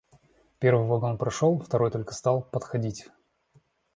Первый вагон прошел, второй только стал подходить.